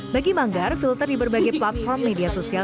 bagi manggar filter di berbagai platform media sosial